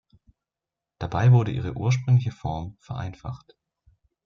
Dabei wurde ihre ursprüngliche Form vereinfacht.